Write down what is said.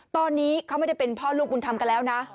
ตอนนี้เขาไม่ได้เป็นพ่อลูกบุญธรรมกันแล้วนะ